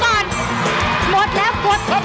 หมดแล้ว